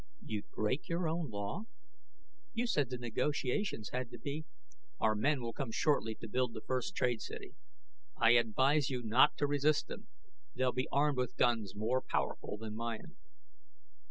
"You'd break your own law? You said the negotiations had to be " "Our men will come shortly to build the first trade city. I advise you not to resist them; they'll be armed with guns more powerful than mine."